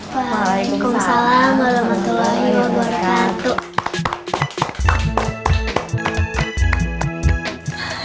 waalaikumsalam warahmatullahi wabarakatuh